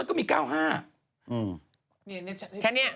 โอ้โหโอ้โหโอ้โหโอ้โห